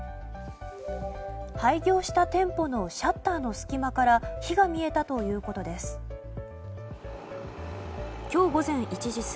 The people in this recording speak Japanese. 廃業した店舗のシャッターの隙間から火が見えたということです。